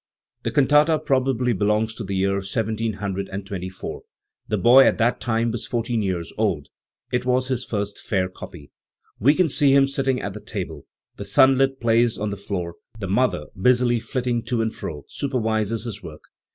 The cantata probably belongs to the year 1724; the boy at that time was fourteen years old; it was his first fair copy. We can see him sitting at the table: the sunlight plays on the floor; the mother, busily flitting to and fro, supervises his work.